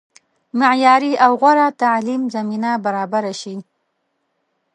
معیاري او غوره تعلیم زمینه برابره شي.